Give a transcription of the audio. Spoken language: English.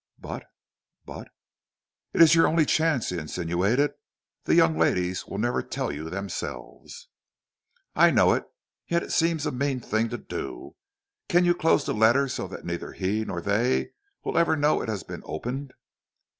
"But but " "It is your only chance," he insinuated; "the young ladies will never tell you themselves." "I know it; yet it seems a mean thing to do. Can you close the letter so that neither he nor they will ever know it has been opened?"